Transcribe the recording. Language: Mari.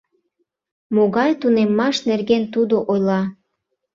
Могай тунеммаш нерген тудо ойла?